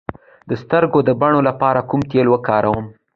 د سترګو د بڼو لپاره کوم تېل وکاروم؟